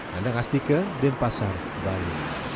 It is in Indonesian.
nandang astika denpasar bali